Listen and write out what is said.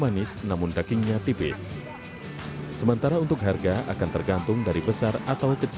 asalnya jenis tembako yang dicari pak